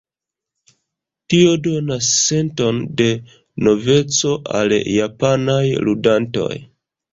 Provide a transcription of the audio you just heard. Tio donas senton de noveco al japanaj ludantoj.